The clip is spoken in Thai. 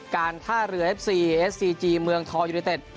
การท่าเรือเอฟซีเอสซีจีเมืองทองยูนิเต็ด